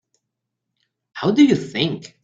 How do you think?